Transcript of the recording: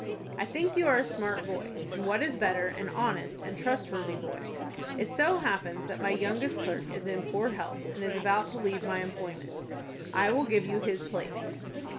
I think you are a smart boy, and, what is better, an honest and trustworthy boy. It so happens that my youngest clerk is in poor health, and is about to leave my employment. I will give you his place."